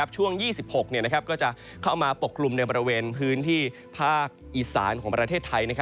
ช่วง๒๖ก็จะเข้ามาปกกลุ่มในบริเวณพื้นที่ภาคอีสานของประเทศไทย